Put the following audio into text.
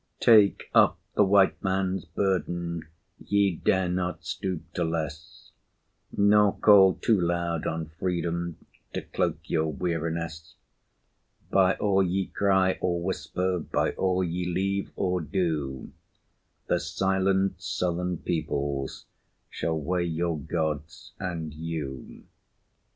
Take up the White Man's burden Ye dare not stoop to less Nor call too loud on Freedom To cloak your weariness; By all ye cry or whisper, By all ye leave or do, The silent, sullen peoples Shall weigh your Gods and you.